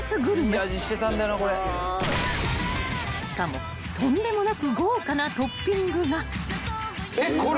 ［しかもとんでもなく豪華なトッピングが］えっこれ。